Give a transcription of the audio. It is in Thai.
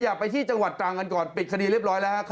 อยากไปที่จังหวัดตรังกันก่อนปิดคดีเรียบร้อยแล้วครับ